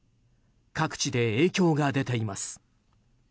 各地で影響が出ています。